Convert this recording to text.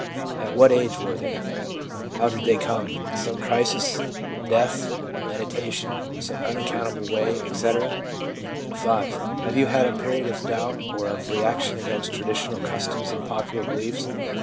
At what age were they ? How did they come — some crisis, a death, meditation, some unaccount able way, etc. ?' V. Have you had a period of doubt or of reaction against traditional customs and popular beliefs